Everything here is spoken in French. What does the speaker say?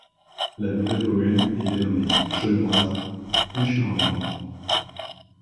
La nouvelle commune est dénommée Chenoise-Cucharmoy.